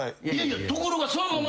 ところがそのまま。